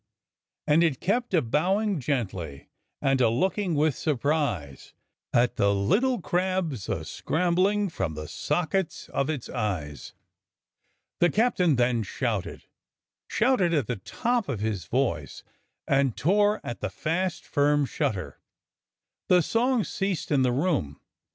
"And it kept a bowing gently and a looking with surprise At the little crabs a scrambling from the sockets of its eyes." The captain then shouted, shouted at the top of his voice, and tore at the fast, firm shutter. The song ceased in the room.